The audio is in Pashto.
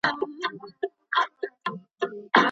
ايا د ناوي کور ته درانه سوغاتونه وروړل کيږي؟